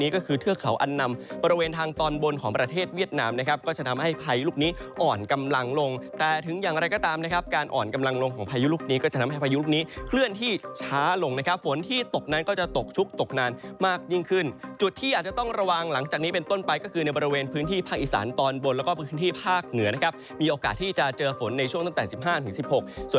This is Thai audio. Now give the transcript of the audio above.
ก็ตามนะครับการอ่อนกำลังลงของพายุลุกนี้ก็จะนำให้พายุลุกนี้เคลื่อนที่ช้าลงนะครับฝนที่ตกนั้นก็จะตกชุบตกนานมากยิ่งขึ้นจุดที่อาจจะต้องระวังหลังจากนี้เป็นต้นไปก็คือในบริเวณพื้นที่ภาคอีสานตอนบนแล้วก็พื้นที่ภาคเหนือนะครับมีโอกาสที่จะเจอฝนในช่วงตั้งแต่สิบห้านถึงสิบหกส